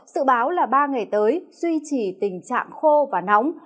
sự báo là ba ngày tới duy trì tình trạng khô và nóng